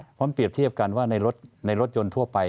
เพราะมันเปรียบเทียบกันว่าในรถยนต์ทั่วไป